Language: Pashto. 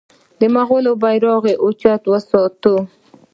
د مغولو بیرغ اوچت وساتي.